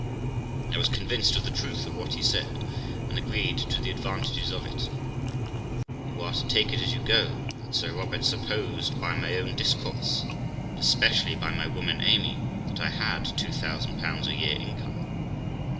I was convinced of the truth of what he said, and agreed to the advantages of it. You are to take it as you go, that Sir Robert supposed by my own discourse, and especially by my woman Amy, that I had 2000 a year income.